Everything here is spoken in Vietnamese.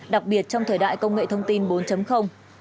đặc biệt trong thời đại công nghệ thông tin bốn